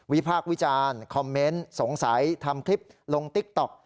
พากษ์วิจารณ์คอมเมนต์สงสัยทำคลิปลงติ๊กต๊อก